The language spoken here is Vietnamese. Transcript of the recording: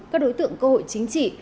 các đối tượng cơ hội chính trị